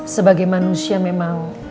sebagai manusia memang